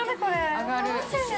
◆上がる！